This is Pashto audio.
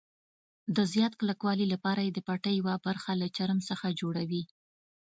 د زیات کلکوالي لپاره یې د پټۍ یوه برخه له چرم څخه جوړوي.